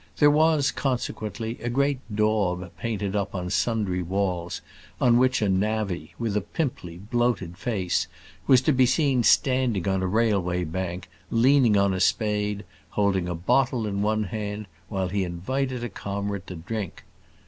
There was, consequently, a great daub painted up on sundry walls, on which a navvy, with a pimply, bloated face, was to be seen standing on a railway bank, leaning on a spade holding a bottle in one hand, while he invited a comrade to drink.